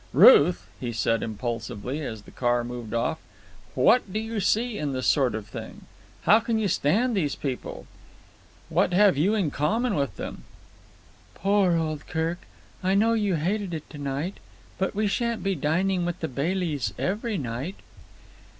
"Ruth," he said impulsively, as the car moved off, "what do you see in this sort of thing? How can you stand these people? What have you in common with them?" "Poor old Kirk. I know you hated it to night. But we shan't be dining with the Baileys every night."